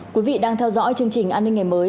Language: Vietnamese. quý vị đang theo dõi chương trình an ninh ngày mới